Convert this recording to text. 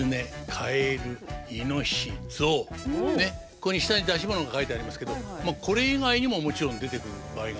ここに下に出し物が書いてありますけどこれ以外にももちろん出てくる場合があるんですよ。